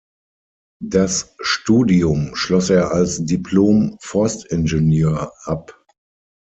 Das Studium schloss er als Diplom-Forstingenieur ab.